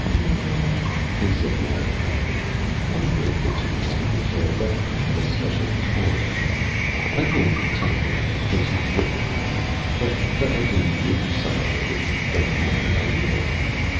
"No o o," he said matter of factly. "I'm grateful to you, Mr. Fitzgerald, but I have a special kind of luck. I won't tell you about it because you wouldn't believe but but I can give you some of it. If you don't mind, I will."